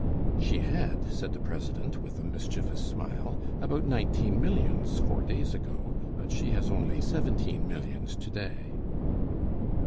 "She had," said the president, with a mischievous smile, "about nineteen millions four days ago; but she has only seventeen millions to day."